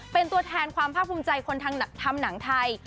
เป็นตัวแทนความภาคภูมิใจคนทำหนังไทย